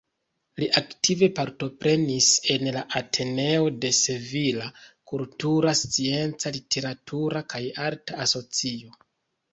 Li aktive partoprenis en la "Ateneo de Sevilla", kultura, scienca, literatura kaj arta asocio.